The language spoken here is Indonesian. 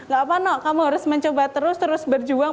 gak apa no kamu harus mencoba terus terus berjuang